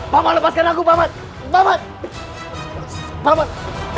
bapak lepaskan aku bapak bapak bapak